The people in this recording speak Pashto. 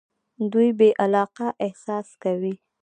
دوی بې علاقه احساس کوي.